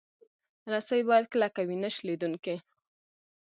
رسۍ باید کلکه وي، نه شلېدونکې.